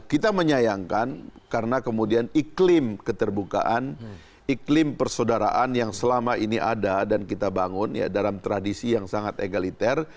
kita menyayangkan karena kemudian iklim keterbukaan iklim persaudaraan yang selama ini ada dan kita bangun dalam tradisi yang sangat egaliter